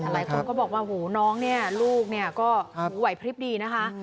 หลายคนก็บอกว่าน้องนี่ลูกนี่ก็ไหวพริบดีนะคะ